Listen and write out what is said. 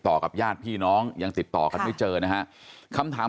กับญาติพี่น้องยังติดต่อกันไม่เจอนะฮะคำถาม